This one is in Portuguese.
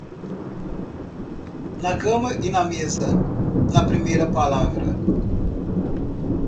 Na cama e na mesa, na primeira palavra.